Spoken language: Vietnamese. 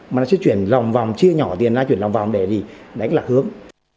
mà nó sẽ chuyển lòng vòng chia nhỏ tiền ra chuyển lòng vòng để đánh lạc hướng